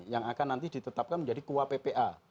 yang akan nanti ditetapkan menjadi kua ppa